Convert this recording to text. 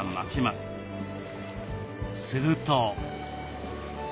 すると。